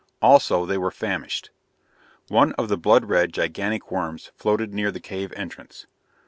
Also they were famished.... One of the blood red, gigantic worms floated near the cave entrance.